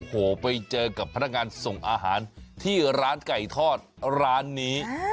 โอ้โหไปเจอกับพนักงานส่งอาหารที่ร้านไก่ทอดร้านนี้